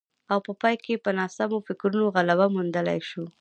او په پای کې په ناسمو فکرونو غلبه موندلای شو